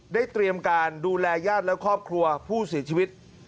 เตรียมการดูแลญาติและครอบครัวผู้เสียชีวิต